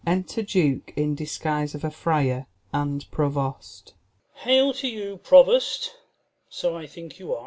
Enter Duke in disguise of a friar, and Provost. Duke. Hail to you, Provost, so I think you are !